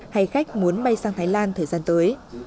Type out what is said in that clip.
hay khách muốn bay sang thái lan thời gian tới